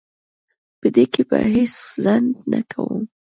په دې کې به هیڅ ځنډ نه کوم.